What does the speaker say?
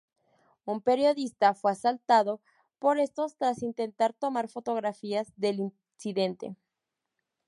Un periodista fue asaltado por estos tras intentar tomar fotografías del incidente.